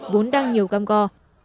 vốn đang nhiều cam go